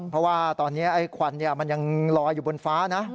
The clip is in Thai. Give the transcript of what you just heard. เพราะว่าตอนนี้ไอ้ควันมันยังลอยอยู่บนฟ้านะ